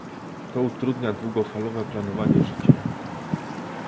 To utrudnia długofalowe planowanie życia